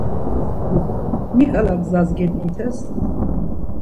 Mi ǩala gzas gedgites?